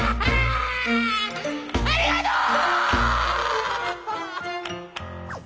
ありがとう！